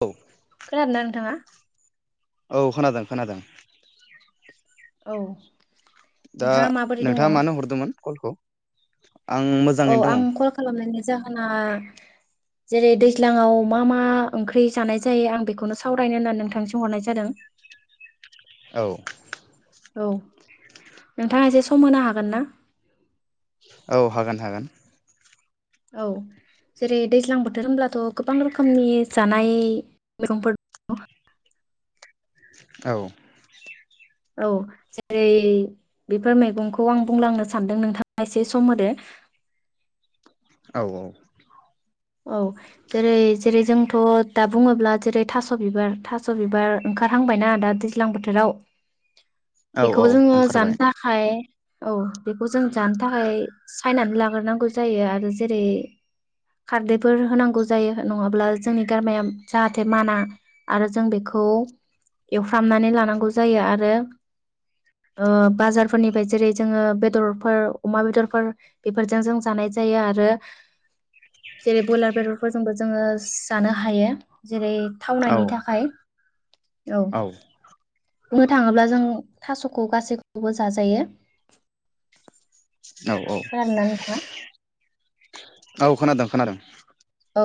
औ। खोनदोंना नोंथाङा? औ खोनादों खोनादों। औ। दा नोंथाङा माबोरै दङ? नोंथाङा मानो हरदोंमोन कलखौ? [inaudible] औ मोजाङैनो दं आं कल खालामनायनि जाहोना जेरै दैज्लाङाव मा मा ओंख्रि जानाय जायो आं बेखौनो सावरायनो होननानै नोंथांसिम हरनाय जादों। औ। औ नोंथाङा एसे सम होनो हागोन ना? औ हागोन हागोन। औ जेरै दैज्लां बोथोर होनब्लाथ' गोबां रोखोमनि जानाय मैगंफोर दङ। औ। औ जेरै बेफोर मैगंखौ आं बुंलांनो सानदों नोंथाङा एसे सम होदो। औ औ औ जेरै जेरै जोंथ' दा बुङोब्ला जेरै थास' बिबार थास' बिबार ओंखारहांबायना दा दैज्लां बोथोराव? औ औ बेखौबो जोङो ओंखारबाय जानो थाखाय औ बेखौ जों जानो थाखाय सायनानै लाग्रोनांगौ जायो आरो जेरै खारदैफोर होनांगौ जायो नङाब्ला जोंनि गारामाया जाहाथे माना आरो जों बेखौ एवफ्रामनानै लानांगौ जायो आरो ओ बाजारफोरनिफ्राय जेरै जोङो बेदरफोर अमा बेदरफोर बेफोरजों जों जानाय जायो आरो जेरे बइलार बेदर फोरजोंबो जोङो जानो हायो। जेरै औ थावनायनि थाखाय औ बुंनो थाङोब्ला जों थास'खौ गासैखौबो जाजायो। औ औ खोनादोंना नोंथाङा? औ खोनादों खोनादों। औ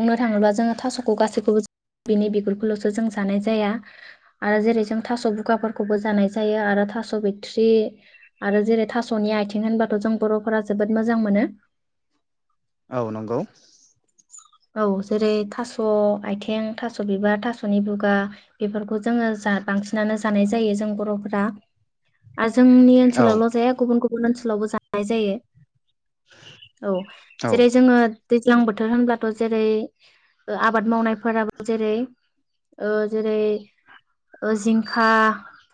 बुंनो थाङोब्ला जोङो थास'खौ गासैखौबो बिनि बिगुरखौल'सो जों जानाय जाया आरो जेरै जों थास' बुगाफोरखौबो जानाय जायो आरो थास' बिथ्रि आरो जेरै थास'नि आथिं होनबाथ' जों बर'फोरा जोबोद मोजां मोनो। औ नंगौ। औ जेरै थास' आइथिं थास' बिबार थास'नि बुगा बेफोरखौ जोङो जा बांसिनानो जानाय जायो जों बर'फोरा। आरो जोंनि औ ओनसोलावल' जाया गुबुन गुबुन गुबुन ओनसोलावबो जानाय जायो। औ औ जेरै जोङो दैज्लां बोथोर होनब्ला जेरै आबाद मावनायफोराबो जेरै ओ जेरै जिंखा,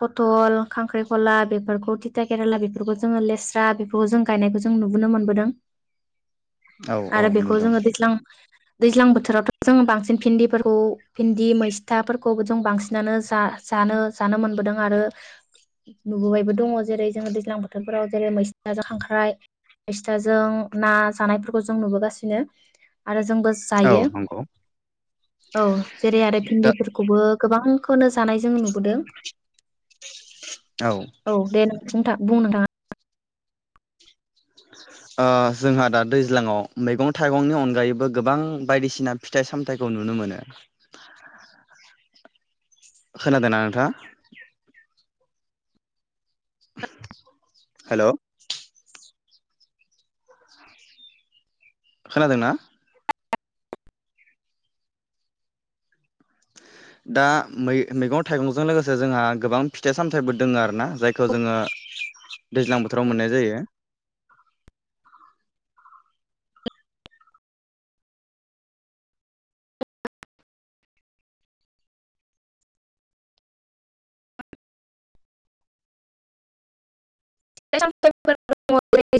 फथल, खांख्राइखला बेफोरखौ थिथा केराला बेफोरखौ जोङो लेस्रा बेफोरखौ जों गायनायखौ जों नुबोनो मोनबोदों। औ औ आरो बेखौ नुदों जोङो दैज्लां दैज्लां बोथोरावथ' जों बांसिन भिन्दिफोरखौ भिन्दि मैस्थाफोरखौबो जों बांसिनानो जा-जानो जानो मोनबोदों आरो नुबोबायबो दङ जेरै जोङो दैज्लां बोथोरफोराव जेरै मैस्थाजों खांख्राइ मैस्थाजों ना जानायफोरखौ जों नुबोगासिनो। आरो जोंबो औ जायो नंगौ औ जेरै आरो दा भिन्दिफोरखौबो गोबां खौनो जानाय जों नुबोदों। औ दे नों नोंथां। बुं नोंथाङा। ओ जोंहा दा दैज्लाङाव मैगं-थाइगंनि अनगायैबो गोबां बायदिसिना फिथाइ-सामथाइखौ नुनो मोनो। खोनादोंना नोंथाङा? हेल' खोनादोंना? दा मै-मैगं-थाइगंजों लोगोसे जोंहा गोबां फिथाइ- सामथाइबो दोङो आरोना जायखौ जोङो दैज्लां बोथोराव मोननाय जायो। [unintelligible]